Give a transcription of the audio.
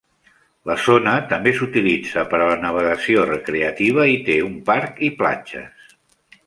La zona també s'utilitza per a la navegació recreativa i té un parc i platges.